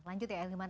lanjut ya eliman